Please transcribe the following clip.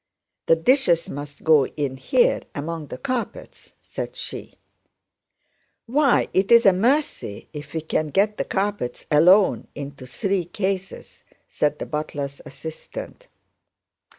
"The dishes must go in here among the carpets," said she. "Why, it's a mercy if we can get the carpets alone into three cases," said the butler's assistant.